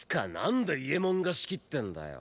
んで伊右衛門が仕切ってんだよ。